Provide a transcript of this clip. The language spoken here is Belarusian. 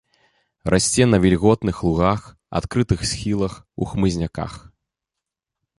Расце на вільготных лугах, адкрытых схілах, у хмызняках.